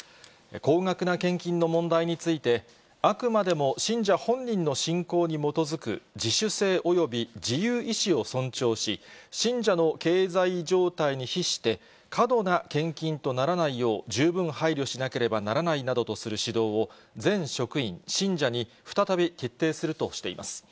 高額な献金の問題について、あくまでも信者本人の信仰に基づく自主性及び自由意思を尊重し、信者の経済状態に比して、過度な献金とならないよう、十分配慮しなければならないなどとする指導を全職員、信者に再び徹底するとしています。